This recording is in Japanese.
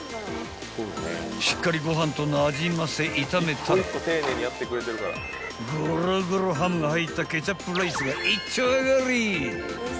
［しっかりご飯となじませ炒めたらごろごろハムが入ったケチャップライスが一丁上がり！］